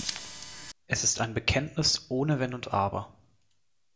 Es ist ein Bekenntnis ohne Wenn und Aber.